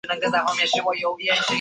阿古斯供奉赫拉女神。